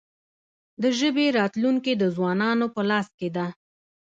د ژبې راتلونکې د ځوانانو په لاس کې ده.